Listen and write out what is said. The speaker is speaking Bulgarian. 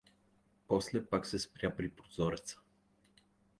После пак се спря при прозореца.